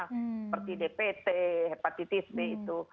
seperti dpt hepatitis b itu